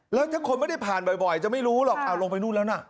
แล้วถ้าคนไม่ได้ผ่านบ่อยจะไม่รู้หรอกลงไปนู่นแล้วนะ